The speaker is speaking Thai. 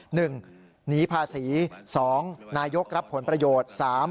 หนีภาษี๒นายกรับผลประโยชน์